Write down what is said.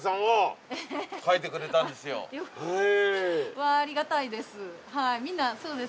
わあありがたいです。